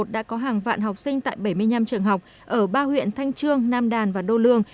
đã có hàng vạn học sinh tại bảy mươi năm trường học ở ba huyện thanh trương nam đàn và đô lương